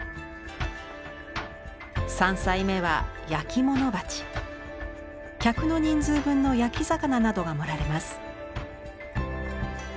三菜目は客の人数分の焼き魚などが盛られます。